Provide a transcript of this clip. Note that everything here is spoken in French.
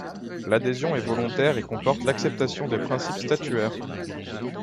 L’adhésion est volontaire et comporte l’acceptation des principes statuaires.